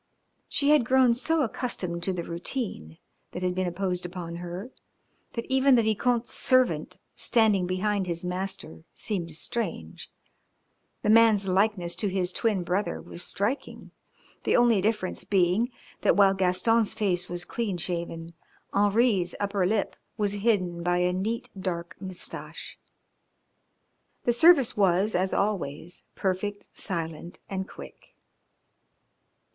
She had grown so accustomed to the routine that had been imposed upon her that even the Vicomte's servant standing behind his master seemed strange. The man's likeness to his twin brother was striking, the only difference being that while Gaston's face was clean shaven, Henri's upper lip was hidden by a neat, dark moustache. The service was, as always, perfect, silent and quick.